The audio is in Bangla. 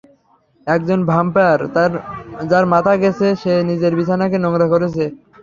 একজন ভ্যাম্পায়ার যার মাথাটা গেছে, যে নিজের বিছানাকে নোংরা করেছে!